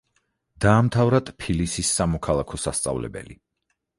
დაამთავრა ტფილისის სამოქალაქო სასწავლებელი.